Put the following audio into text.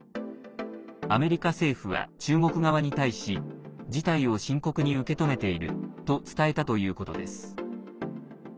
アメリカ政府は中国側に対し事態を深刻に受け止めていると伝えたということです。